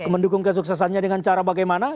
mendukung kesuksesannya dengan cara bagaimana